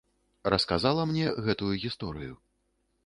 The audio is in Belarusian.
Расказала мне гэтую гісторыю.